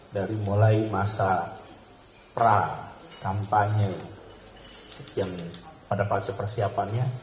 dari mulai masa pra kampanye yang pada fase persiapannya